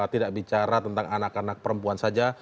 tidak bicara tentang anak anak perempuan saja